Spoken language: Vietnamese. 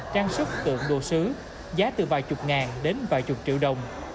trang sức tượng đồ sứ giá từ vài chục ngàn đến vài chục triệu đồng